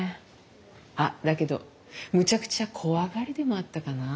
あっだけどむちゃくちゃ怖がりでもあったかな。